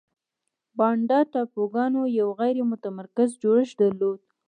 بانډا ټاپوګانو یو غیر متمرکز جوړښت درلود.